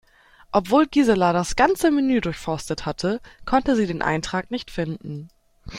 Obwohl Gisela das ganze Menü durchforstet hatte, konnte sie den Eintrag nicht finden.